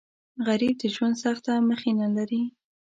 غریب د ژوند سخته مخینه لري